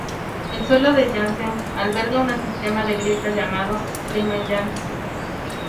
El suelo de Janssen alberga una sistema de grietas llamado "Rimae Janssen".